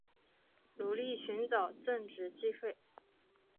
努力寻找正职机会